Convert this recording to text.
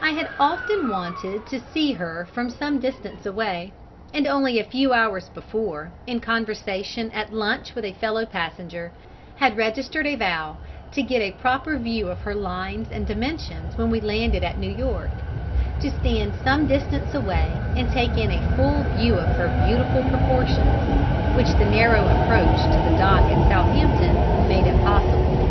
I had often wanted to see her from some distance away, and only a few hours before, in conversation at lunch with a fellow passenger, had registered a vow to get a proper view of her lines and dimensions when we landed at New York: to stand some distance away to take in a full view of her beautiful proportions, which the narrow approach to the dock at Southampton made impossible.